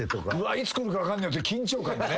いつ来るか分かんねえよって緊張感がね。